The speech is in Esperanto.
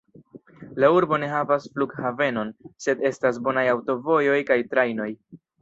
La urbo ne havas flughavenon, sed estas bonaj aŭtovojoj kaj trajnoj.